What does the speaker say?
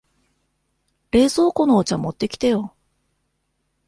冷蔵庫のお茶持ってきてよ。